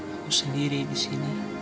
aku sendiri di sini